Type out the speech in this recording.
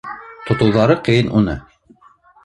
Тотоуҙары ҡыйын уны